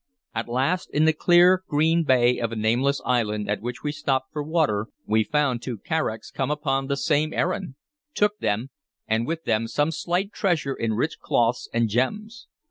At last, in the clear green bay of a nameless island at which we stopped for water, we found two carracks come upon the same errand, took them, and with them some slight treasure in rich cloths and gems.